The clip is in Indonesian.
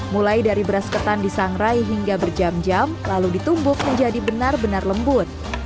mulai dari beras ketan disangrai hingga berjam jam lalu ditumbuk menjadi benar benar lembut